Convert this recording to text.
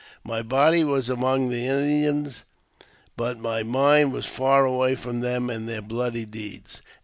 My body was among the Indians, but my^ mind was far away from them and their bloody deeds.